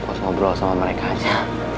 lo harus ngobrol sama mereka aja